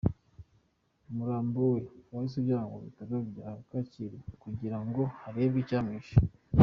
Umurambo we wahise ujyanwa ku Bitaro bya Kacyiru kugira ngo harebwe icyamwishe.